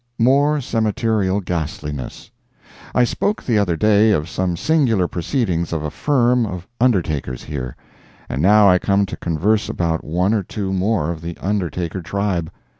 MORE CEMETERIAL GHASTLINESS I spoke the other day of some singular proceedings of a firm of undertakers here, and now I come to converse about one or two more of the undertaker tribe.